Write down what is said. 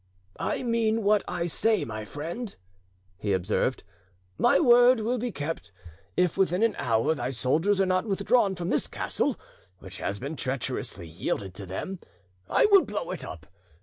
"I mean what I say, my friend," he observed; "my word will be kept. If within an hour thy soldiers are not withdrawn from this castle which has been treacherously yielded to them, I will blow it up.